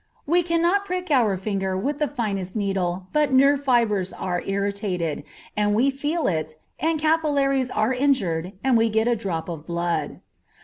We cannot prick our finger with the finest needle but nerve, fibres are irritated, and we feel it, and capillaries are injured and we get a drop of blood.